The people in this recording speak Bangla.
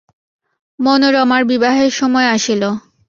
মনোরমার বিবাহের সময় আসিল।